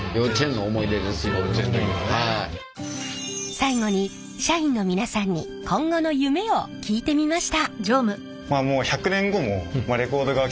最後に社員のみなさんに今後の夢を聞いてみました。